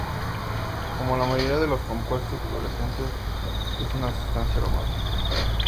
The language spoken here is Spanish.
Como la mayoría de los compuestos fluorescentes, es una sustancia aromática.